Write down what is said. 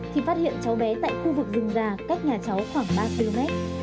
thì phát hiện cháu bé tại khu vực rừng già cách nhà cháu khoảng ba bốn m